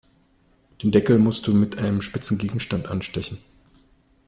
Den Deckel musst du mit einem spitzen Gegenstand anstechen.